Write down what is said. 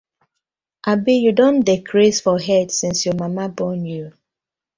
Abi yu don dey craze for head since yur mama born yu.